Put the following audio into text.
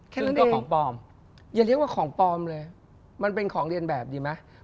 ซึ่งตัวของปลอมอย่าเรียกว่าของปลอมเลยมันเป็นของเรียนแบบดีไหม